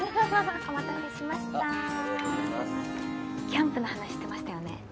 キャンプの話してましたよね？